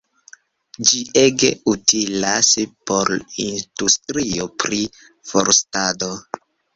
Ĝi ege utilas por industrio pri forstado.